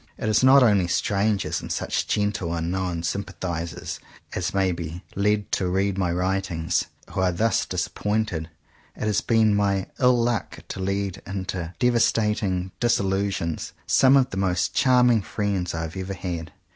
It is not only strangers, and such gentle, unknown sympathizers as may be led to read my writings, who are thus disap pointed. It has been my ill luck to lead into devastating disillusion some of the most charming friends I have ever had.